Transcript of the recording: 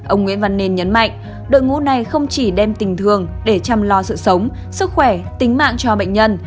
ông nguyễn văn nên nhấn mạnh đội ngũ này không chỉ đem tình thương để chăm lo sự sống sức khỏe tính mạng cho bệnh nhân